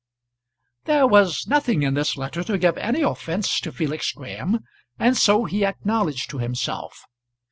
There was nothing in this letter to give any offence to Felix Graham, and so he acknowledged to himself.